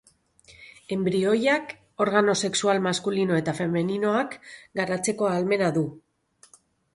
Enbrioiak organo sexual maskulino eta femeninoak garatzeko ahalmena du.